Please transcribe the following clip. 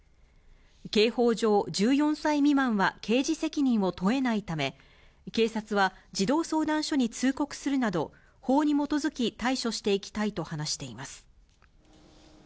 刑法上、１４歳未満は刑事責任を問えないため、警察は、児童相談所に通告するなど、法に基づき対処していきたいと話しています。